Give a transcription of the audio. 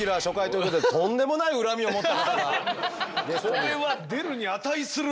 これは出るに値する。